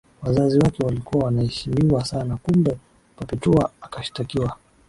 Wazazi wake walikuwa wanaheshimiwa sana Kumbe Perpetua akashtakiwa